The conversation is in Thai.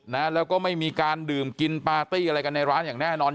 นะแล้วก็ไม่มีการดื่มกินปาร์ตี้อะไรกันในร้านอย่างแน่นอน